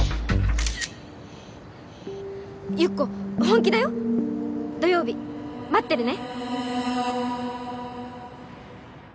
ゆっこ本気だよ土曜日待ってるね